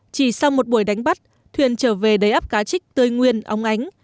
chỉ sau một buổi đánh bắt thuyền trở về đầy áp cá trích tươi nguyên ống ánh